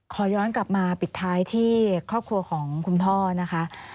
ขอย้อนกลับมาปิดท้ายที่ครอบครัวของคุณพ่อนะคะ